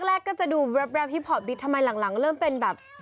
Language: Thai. ก็แรกก็จะดูแบบพี่พอร์ตบิ๊กทำไมหลังเริ่มเป็นแบบ